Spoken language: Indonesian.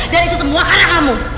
dan itu semua karena kamu